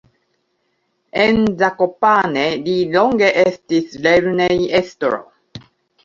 En Zakopane li longe estis lernejestro.